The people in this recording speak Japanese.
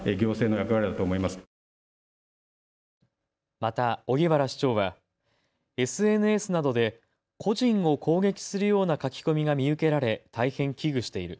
また荻原市長はＳＮＳなどで個人を攻撃するような書き込みが見受けられ大変危惧している。